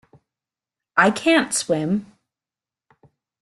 I can't swim.